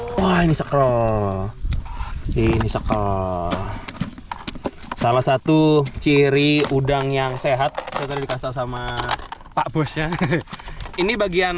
hai wah ini sekal ini sakal salah satu ciri udang yang sehat serta dikasah sama pak bosnya ini bagian